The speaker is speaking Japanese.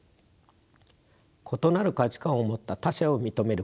異なる価値観を持った他者を認めること。